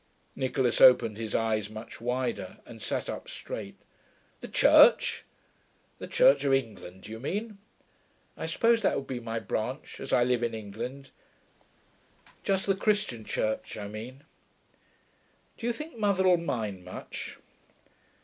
Nicholas opened his eyes much wider, and sat up straight. 'The Church? The Church of England, do you mean?' 'I suppose that would be my branch, as I live in England. Just the Christian Church, I mean.... Do you think mother'll mind much?'